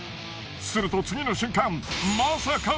すると次の瞬間何これ？